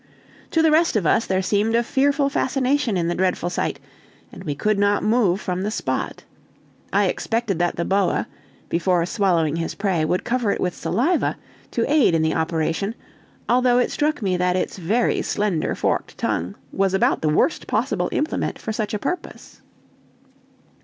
To the rest of us there seemed a fearful fascination in the dreadful sight, and we could not move from the spot. I expected that the boa, before swallowing his prey, would cover it with saliva, to aid in the operation, although it struck me that its very slender forked tongue was about the worst possible implement for such a purpose.